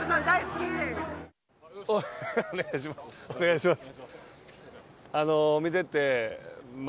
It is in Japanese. お願いします。